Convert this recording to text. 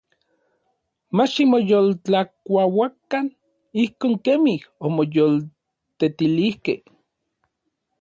Mach ximoyoltlakuauakan ijkon kemij omoyoltetilijkej.